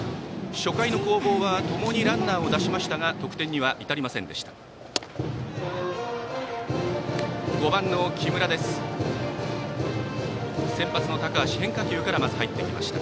初回の攻防はともにランナーを出しましたが得点には至りませんでした。